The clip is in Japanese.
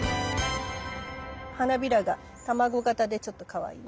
花びらが卵形でちょっとかわいいね。